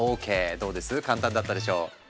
どうです簡単だったでしょ。